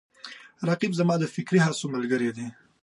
رقیب زما د فکري هڅو ملګری دی